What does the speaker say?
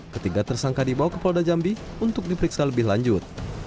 ketiga tersangka dibawa ke polda jambi untuk diperiksa lebih lanjut